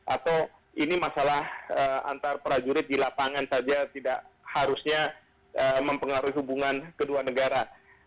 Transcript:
atau ini masalah antar prajurit di lapangan saja tidak harusnya mempengaruhi hubungan kedua negara